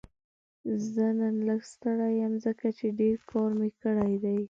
زه نن لږ ستړی یم ځکه چې ډېر کار مې کړی دی